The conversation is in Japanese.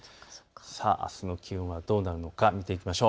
あすの気温はどうなるのか見ていきましょう。